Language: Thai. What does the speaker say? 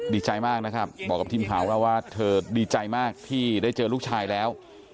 ดีใจมากนะครับบอกกับทีมข่าวเราว่าเธอดีใจมากที่ได้เจอลูกชายแล้ว